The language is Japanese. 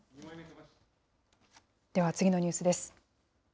では次のニュースです。